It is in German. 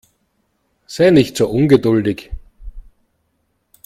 Sei nicht so ungeduldig.